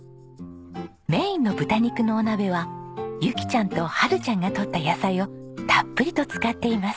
メインの豚肉のお鍋はユキちゃんとハルちゃんがとった野菜をたっぷりと使っています。